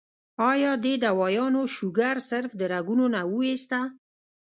ايا دې دوايانو شوګر صرف د رګونو نه اوويستۀ